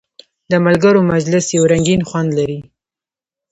د ملګرو مجلس یو رنګین خوند لري.